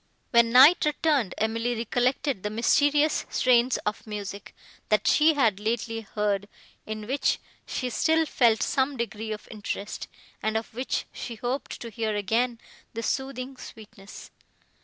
When night returned, Emily recollected the mysterious strains of music, that she had lately heard, in which she still felt some degree of interest, and of which she hoped to hear again the soothing sweetness.